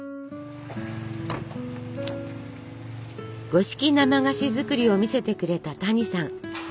五色生菓子作りを見せてくれた谷さん。